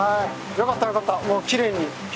よかったよかった。